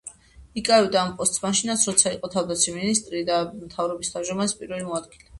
იკავებდა ამ პოსტს მაშინაც, როცა იყო თავდაცვის მინისტრი და მთავრობის თავმჯდომარის პირველი მოადგილე.